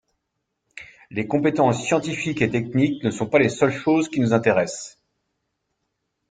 Les compétences scientifiques et techniques ne sont pas les seules choses qui nous intéressent.